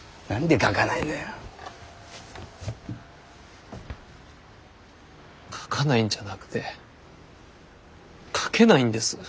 書かないんじゃなくて書けないんです。